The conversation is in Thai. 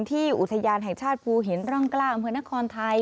อุทยานแห่งชาติภูหินร่องกล้าอำเภอนครไทย